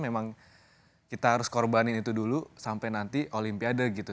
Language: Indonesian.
memang kita harus korbanin itu dulu sampai nanti olimpiade gitu